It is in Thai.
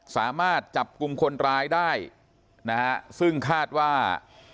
สามารถจับกลุ่มคนร้ายได้นะฮะซึ่งคาดว่า